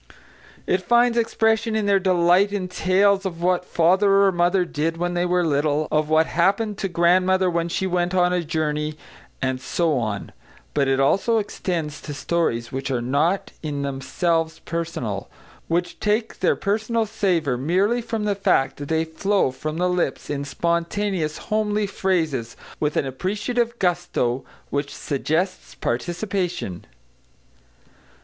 It finds expression in their delight in tales of what father or mother did when they were little, of what happened to grandmother when she went on a journey, and so on, but it also extends to stories which are not in themselves personal: which take their personal savour merely from the fact that they flow from the lips in spontaneous, homely phrases, with an appreciative gusto which suggests participation.